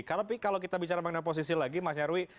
tapi kalau kita bicara mengenai oposisi lagi mas nyarwi